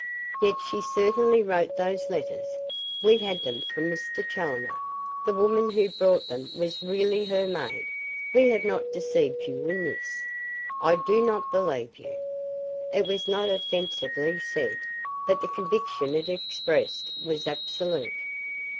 "Yet she certainly wrote those letters. We had them from Mr. Challoner. The woman who brought them was really her maid. We have not deceived you in this." "I do not believe you." It was not offensively said; but the conviction it expressed was absolute.